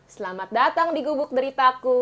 selamat datang di gubuk deritaku